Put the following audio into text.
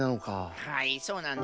はいそうなんです。